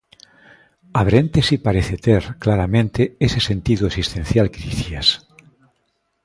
Abrente si parece ter, claramente, ese sentido "existencial" que dicías.